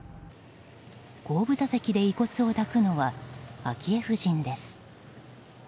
後部座席で遺骨を抱くのは昭恵夫人です。